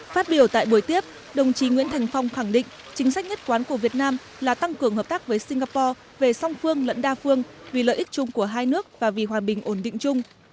phát biểu tại buổi tiếp đồng chí nguyễn thành phong khẳng định chính sách nhất quán của việt nam là tăng cường hợp tác với singapore về song phương lẫn đa phương vì lợi ích chung của hai nước và vì hòa bình ổn định chung